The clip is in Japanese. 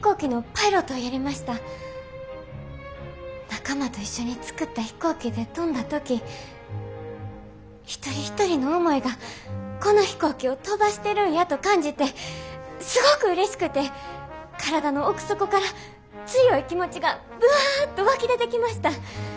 仲間と一緒に作った飛行機で飛んだ時一人一人の思いがこの飛行機を飛ばしてるんやと感じてすごくうれしくて体の奥底から強い気持ちがぶわっと湧き出てきました。